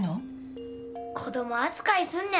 子供扱いすんなよ。